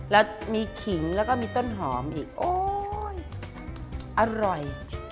แล้วมีขิงแล้วก็มีต้นหอมอีกโอ๊ยอร่อย